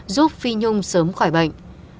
giúp phi nhung sớm khỏi bệnh